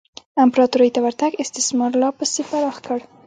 امپراتورۍ ته ورتګ استثمار لا پسې پراخ کړ.